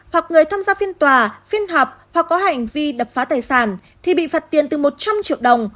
hoặc người tham gia phiên tòa phiên họp hoặc có hành vi đập phá tài sản thì bị phạt tiền từ một trăm linh triệu đồng